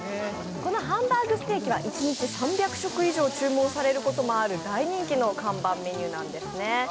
このハンバーグステーキは１日３００食以上注文されることもある大人気の看板メニューなんですよね。